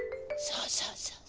そうそう。